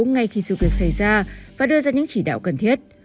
ngay khi sự việc xảy ra và đưa ra những chỉ đạo cần thiết